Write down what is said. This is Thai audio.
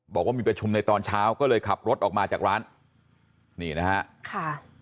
บอกว่ามีประชุมในตอนเช้าก็เลยขับรถออกมาจากร้านนี่นะฮะค่ะ